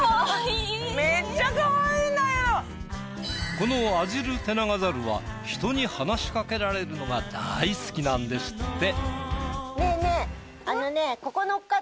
このアジルテナガザルは人に話しかけられるのが大好きなんですって。